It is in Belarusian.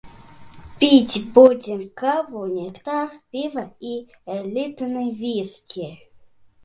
Піць будзем каву, нектар, піва і элітны віскі.